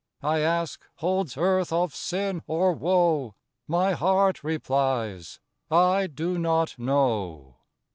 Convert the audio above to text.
I ask, "Holds earth of sin, or woe?" My heart replies, "I do not know."